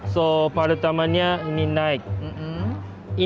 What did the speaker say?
jadi pertama ini seperti